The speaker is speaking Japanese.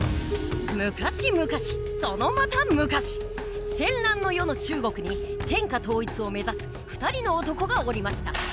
昔々そのまた昔戦乱の世の中国に天下統一を目指す２人の男がおりました。